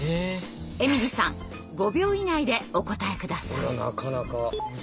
ＥＭＩＬＹさん５秒以内でお答え下さい。